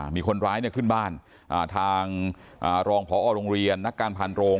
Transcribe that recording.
มีคนร้ายขึ้นบ้านทางรองพอโรงเรียนนักการพานโรง